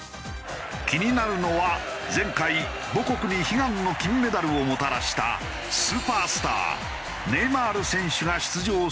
気になるのは前回母国に悲願の金メダルをもたらしたスーパースターネイマール選手が出場するかどうか。